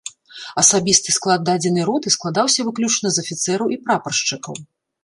Асабісты склад дадзенай роты складаўся выключна з афіцэраў і прапаршчыкаў.